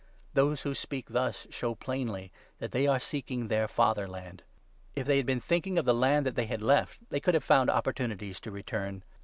Those who speak thus show plainly that they are seeking their fatherland. If they had been thinking of the land that they had left, they could have found opportunities to return.